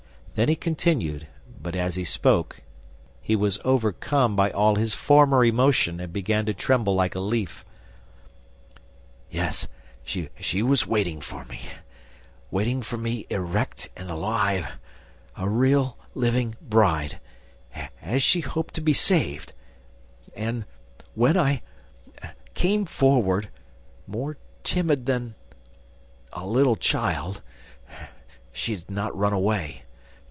Then he continued, but, as he spoke, he was overcome by all his former emotion and began to tremble like a leaf: "Yes, she was waiting for me ... waiting for me erect and alive, a real, living bride ... as she hoped to be saved ... And, when I ... came forward, more timid than ... a little child, she did not run away